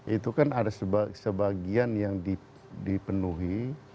itu kan ada sebagian yang dipenuhi